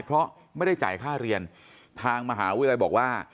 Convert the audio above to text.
เพราะไม่ได้จ่ายค่าเรียนทางมหาวิทยาลัยบอกว่า